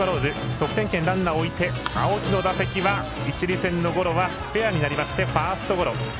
得点圏にランナーを置いて青木の打席は、一塁線のゴロはフェアになりましてファーストゴロ。